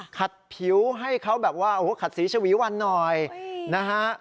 ผิวให้เขาแบบว่าโอ้โหขัดสีชวีวันหน่อยนะฮะ